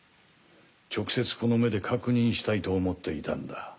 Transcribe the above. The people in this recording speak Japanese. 直接この目で確認したいと思っていたんだ。